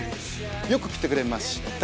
よく来てくれました。